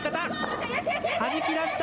はじき出した。